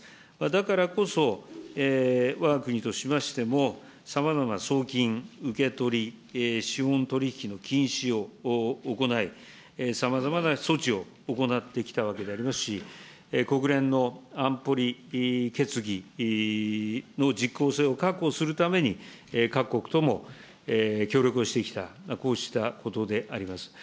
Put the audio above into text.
だからこそ、わが国としましても、さまざまな送金、受け取り、資本取り引きの禁止を行い、さまざまな措置を行ってきたわけでありますし、国連の安保理決議の実効性を確保するために、各国とも協力をしてきた、こうしたことであります。